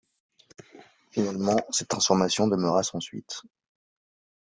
Finalement cette transformation demeura sans suite.